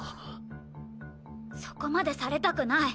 そこまでされたくない！